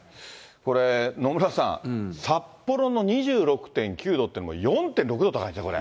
これ野村さん、札幌の２６．９度っていうのも、４．６度高いんですね、これ。